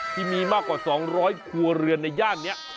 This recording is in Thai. ที่มีมากกว่า๒๐๐ครัวเรือนในย่านนี้